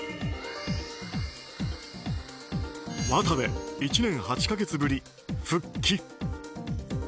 渡部、１年８か月ぶり復帰。